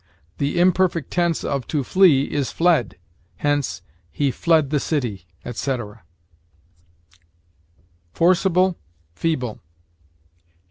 The imperfect tense of to flee is fled; hence, "He fled the city," etc. FORCIBLE FEEBLE.